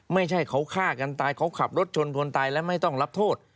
ไม่ใช่เขาฆ่ากันตายเขาขับรถชนคนตายและไม่ต้องรับโทษ